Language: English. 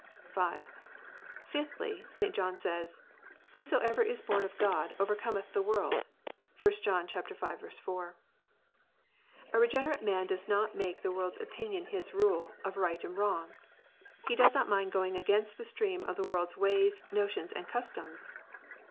(5) Fifthly, St. John says, " Whatsoever is born of God, overcome th the world." (1 John v. 4.) A regenerate man does not make the world s opinion his rulr, of right and wrong. He does not mind going against the stream of the world s ways, notions, and customs.